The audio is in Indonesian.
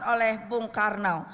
oleh bung karno